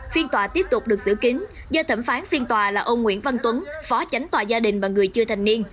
phiên tòa tiếp tục được giữ kín do thẩm phán phiên tòa là ông nguyễn văn tuấn phó tránh tòa gia đình và người chưa thành niên